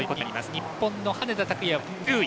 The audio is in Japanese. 日本の羽根田卓也は１０位。